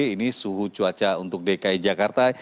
ini suhu cuaca untuk dki jakarta